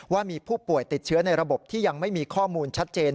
ว่ามีผู้ป่วยติดเชื้อในระบบที่ยังไม่มีข้อมูลชัดเจน